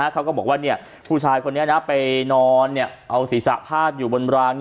เขาก็บอกว่าผู้ชายคนนี้ไปนอนเอาศีรษะพาดอยู่บนราง